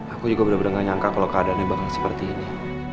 aku juga bener bener gak nyangka kalau keadaannya bakal seperti ini